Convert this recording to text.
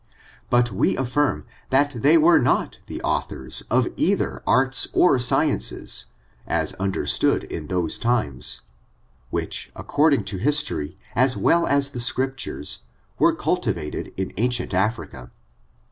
But we affirm that they were not the authors of either arts or sciencesj as understood in those timesy which, according to history, as well as the scriptures^ were cultivated in ancient Africa.